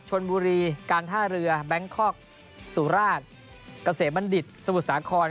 ชนบุรีการท่าเรือแบงคอกสุราชเกษมบัณฑิตสมุทรสาคร